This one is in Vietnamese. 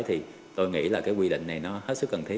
thì tôi nghĩ là cái quy định này nó hết sức cần thiết